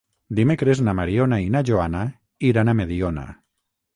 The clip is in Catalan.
Dimecres na Mariona i na Joana iran a Mediona.